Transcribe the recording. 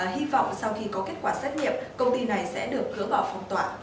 hy vọng sau khi có kết quả xét nghiệm công ty này sẽ được cửa bỏ phong tỏa